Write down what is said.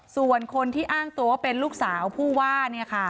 ส่วนคนที่อ้างตัวว่าเป็นลูกสาวผู้ว่า